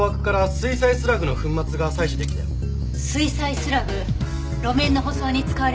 水砕スラグ路面の舗装に使われる人工砂ね。